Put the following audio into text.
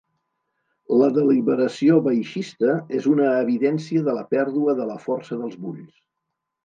La deliberació baixista és una evidència de la pèrdua de la força dels bulls.